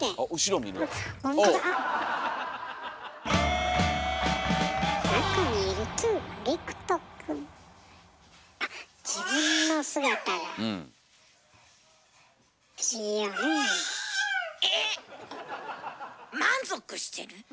えっ満足してる？